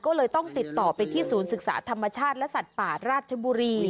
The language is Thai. ก็เลยต้องติดต่อไปที่ศูนย์ศึกษาธรรมชาติและสัตว์ป่าราชบุรี